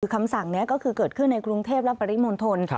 คำสั่งนี้ก็คือเกิดขึ้นในกรุงเทพและปริมณฑล